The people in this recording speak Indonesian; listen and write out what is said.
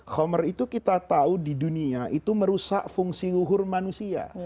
khomer itu kita tahu di dunia itu merusak fungsi luhur manusia